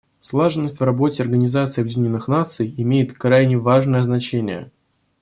Слаженность в работе Организации Объединенных Наций имеет крайне важное значение.